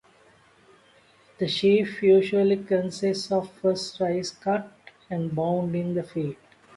This sheaf usually consists of the first rice cut and bound in the field.